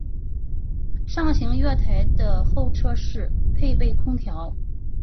上行月台的候车室配备空调。